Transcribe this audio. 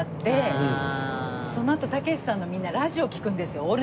そのあとたけしさんのみんなラジオを聞くんですよ。